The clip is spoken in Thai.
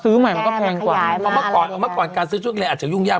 ซื้อใหม่มันเขาแพงกว่าเพียงขยายมาเอามาก่อนเอามาก่อนการซื้อกำใหร่อาจจะยุ่งยาก